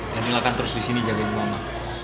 dan ilahkan terus di sini jagain mama